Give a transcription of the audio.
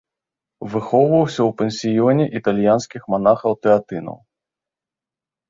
Выхоўваўся ў пансіёне італьянскіх манахаў-тэатынаў.